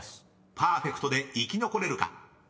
［パーフェクトで生き残れるか？